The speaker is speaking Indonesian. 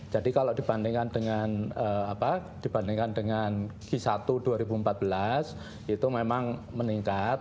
jadi kalau dibandingkan dengan g satu dua ribu empat belas itu memang meningkat